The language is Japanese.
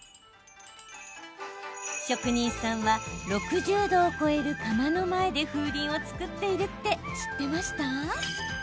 職人さんは、６０度を超える窯の前で風鈴を作っているって知ってました？